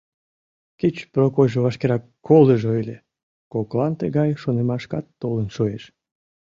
«Кеч Прокойжо вашкерак колыжо ыле!» — коклан тыгай шонымашкат толын шуэш.